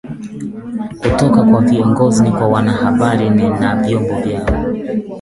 kutoka kwa viongozi kwa wanahabari na vyombo vyao